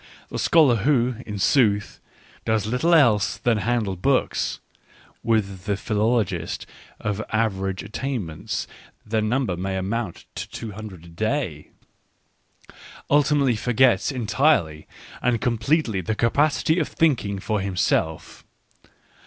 The scholar who, in sooth, does little else than handle books — with the philologist of average attainments their number may amount to two hundred a day — ultimately forgets entirely and completely the capacity of thinking for him self.